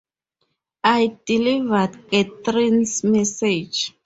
I delivered Catherine’s message.